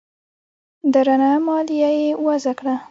درنه مالیه یې وضعه کړه